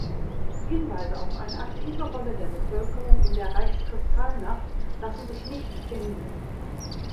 Hinweise auf eine aktive Rolle der Bevölkerung in der „Reichskristallnacht“ lassen sich nicht finden.